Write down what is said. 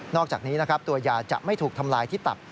อกจากนี้นะครับตัวยาจะไม่ถูกทำลายที่ตับ